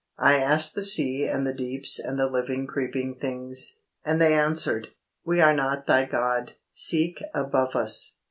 I asked the sea and the deeps and the living creeping things, and they answered, 'We are not thy God, seek above us.'